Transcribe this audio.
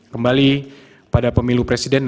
kembali pada pemilu presiden